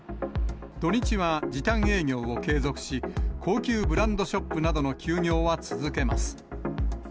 土日は時短営業を継続し、高級ブランドショップなどの休業は続けます。